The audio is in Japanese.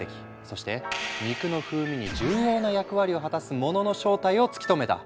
そして肉の風味に重要な役割を果たすものの正体を突き止めた。